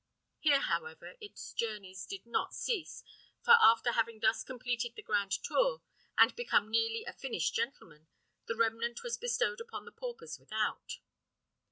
Here, however, its journeys did not cease; for after having thus completed the grand tour, and become nearly a finished gentleman, the remnant was bestowed upon the paupers without.